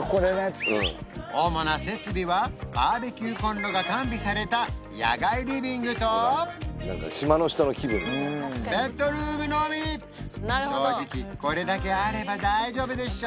主な設備はバーベキューコンロが完備された野外リビングとベッドルームのみ正直これだけあれば大丈夫でしょ？